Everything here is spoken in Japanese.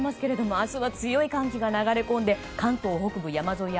明日は強い寒気が流れ込んで関東北部、山沿いや